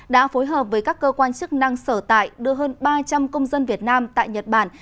đã phối hợp với các cơ quan chức năng sở tại đưa hơn ba trăm linh công dân việt nam tại nhật bản